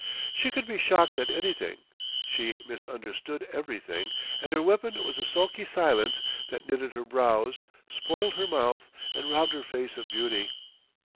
She could be shocked at anything, she misunderstood everything, and her weapon was a sulky silence that knitted her brows, spoilt her mouth and robbed her face of beauty.